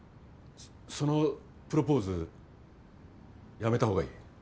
そのプロポーズやめた方がいい。